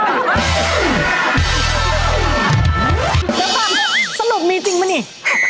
เดี๋ยวฟังสรุปมีจริงปะนี่